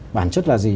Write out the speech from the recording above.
bản chất là gì